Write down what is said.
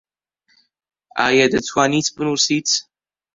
ئایا دەتوانیت بنووسیت؟